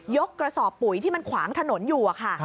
กระสอบปุ๋ยที่มันขวางถนนอยู่ค่ะ